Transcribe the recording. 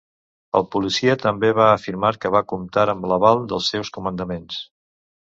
El policia també va afirmar que va comptar amb l’aval dels seus comandaments.